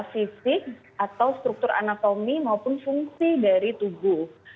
fisik atau struktur anatomi maupun fungsi dari tubuh